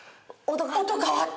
音変わった！